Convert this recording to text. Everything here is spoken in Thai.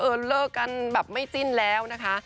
เลิกกันแบบไม่จิ้นแล้วนะคะ